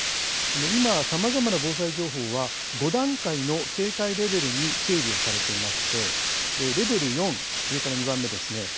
今さまざまな防災情報は５段階の警戒レベルに整理をされていましてレベル４、上から２番目ですね